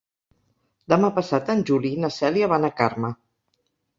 Demà passat en Juli i na Cèlia van a Carme.